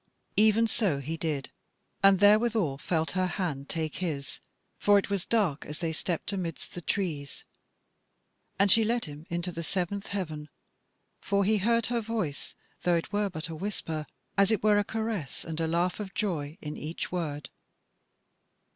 Even so he did, and therewithal felt her hand take his (for it was dark as they stepped amidst the trees), and she led him into the Seventh Heaven, for he heard her voice, though it were but a whisper, as it were a caress and a laugh of joy in each word.